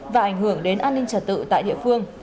và ảnh hưởng đến an ninh trật tự tại địa phương